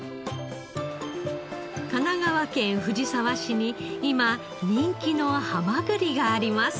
神奈川県藤沢市に今人気のハマグリがあります。